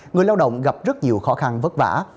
người lao động gặp rất nhiều khó khăn vất vả